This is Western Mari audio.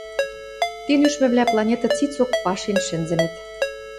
Ти нӱшмӹвлӓ планета цицок пашен шӹнзӹнӹт.